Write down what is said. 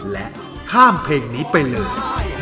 และข้ามเพลงนี้ไปเลย